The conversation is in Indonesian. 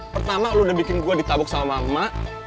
pertama lo udah bikin gue ditabuk sama mama